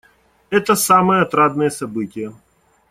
Это самые отрадные события.